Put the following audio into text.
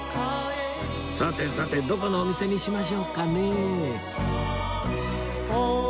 さてさてどこのお店にしましょうかね